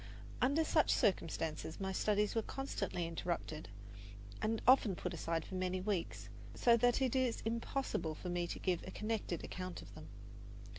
Under such circumstances my studies were constantly interrupted and often put aside for many weeks, so that it is impossible for me to give a connected account of them.